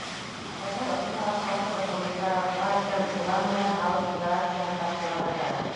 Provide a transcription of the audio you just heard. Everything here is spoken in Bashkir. Әгәр ошоно раҫлаусы документтарығыҙ бар икән, шулар менән һалым декларацияһын тапшырырға кәрәк.